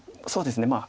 そうですね